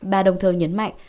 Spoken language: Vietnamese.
bà đồng thờ nhấn mạnh